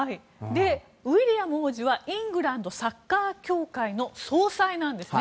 ウィリアム王子はイングランド・サッカー協会の総裁なんですね。